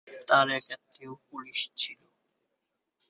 তার এক আত্নীয় পুলিশ ছিল।